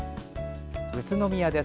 宇都宮です。